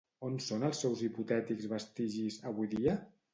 On són els seus hipotètics vestigis, avui dia?